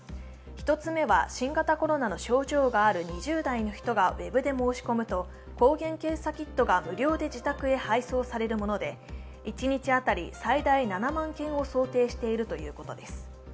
１つ目は、新型コロナの症状がある２０代の人がウェブで申し込むと抗原検査キットが無料で自宅へ配送されるもので一日当たり最大７万件を想定しているということです。